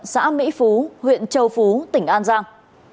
xã mỹ phú huyện châu phú tỉnh an giang